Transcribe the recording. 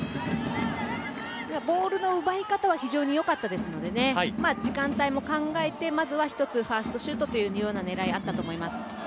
ボールの奪い方は非常によかったですので時間帯も考えてまずは１つファーストシュートという狙いがあったと思います。